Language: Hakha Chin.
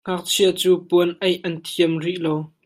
Ngakchia cu puan aih an thiam rih lo.